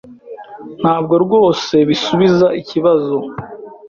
Ntabwo rwose bisubiza ikibazo.